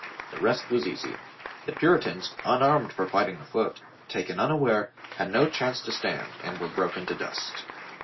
The rest was easy. The Puritans, unarmed for fighting afoot, taken unaware, had no chance to stand and were broken to dust.